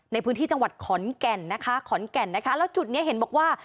ในพื้นที่จังหวัดขอนแก่นนะคะขอนแก่นนะคะแล้วจุดนี้เห็นบอกว่า